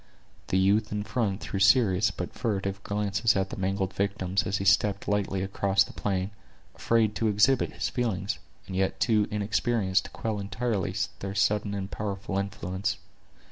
The youth in front threw serious but furtive glances at the mangled victims, as he stepped lightly across the plain, afraid to exhibit his feelings, and yet too inexperienced to quell entirely their sudden and powerful influence.